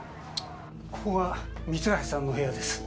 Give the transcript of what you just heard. ここが三橋さんの部屋です。